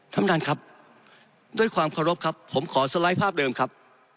ท่านประธานครับด้วยความเคารพครับผมขอสไลด์ภาพเดิมครับ